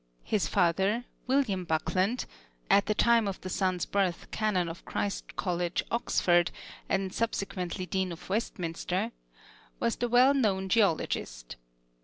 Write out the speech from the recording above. His father, William Buckland, at the time of the son's birth canon of Christ College, Oxford, and subsequently Dean of Westminster, was the well known geologist.